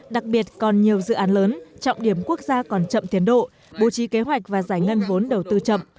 đặc biệt còn nhiều dự án lớn trọng điểm quốc gia còn chậm tiến độ bố trí kế hoạch và giải ngân vốn đầu tư chậm